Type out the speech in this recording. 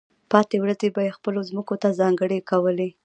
پاتې ورځې به یې خپلو ځمکو ته ځانګړې کولې.